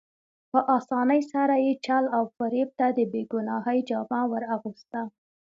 په اسانۍ سره یې چل او فریب ته د بې ګناهۍ جامه ور اغوسته.